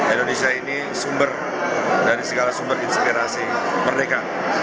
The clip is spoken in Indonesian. indonesia ini sumber dari segala sumber inspirasi merdeka